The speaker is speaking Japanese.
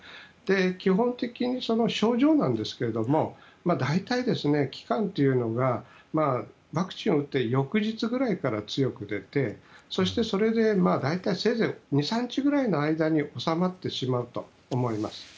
基本的に症状ですが大体、期間というのがワクチンを打って翌日くらいから強く出て、そしてせいぜい２３日くらいの間に治まってしまうと思います。